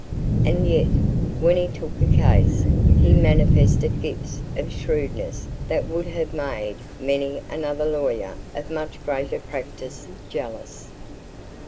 And yet, when he took a case, he manifested gifts of shrewdness that would have made many another lawyer of much greater practice jealous.